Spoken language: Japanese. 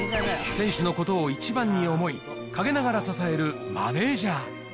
選手のことをイチバンに思い、陰ながら支えるマネージャー。